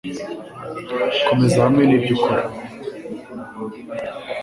Komeza hamwe nibyo ukora.